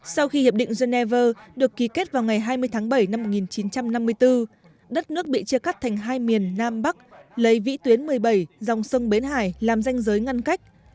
sau khi hiệp định geneva được ký kết vào ngày hai mươi tháng bảy năm một nghìn chín trăm năm mươi bốn đất nước bị chia cắt thành hai miền nam bắc lấy vĩ tuyến một mươi bảy dòng sông bến hải làm danh giới ngăn cách